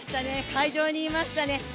会場にいましたね。